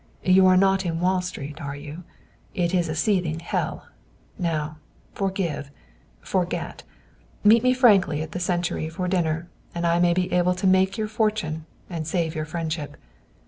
You are not in Wall Street, are you? It is a seething hell. Now, forgive, forget; meet me frankly at the Century for dinner, and I may be able to make your fortune and save your friendship.